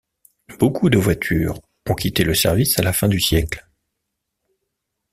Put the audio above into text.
Beaucoup de voitures ont quitté le service à la fin du siècle.